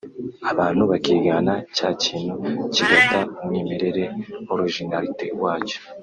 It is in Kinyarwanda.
abantu bakigana cya kintu kigata umwimerere (originalité) wacyo